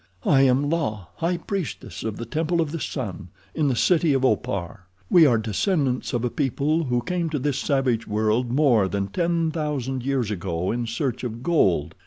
"I am La, high priestess of the Temple of the Sun, in the city of Opar. We are descendants of a people who came to this savage world more than ten thousand years ago in search of gold.